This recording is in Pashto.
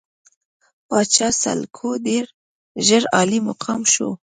پاچا سلوکو ډېر ژر عالي مقام شو.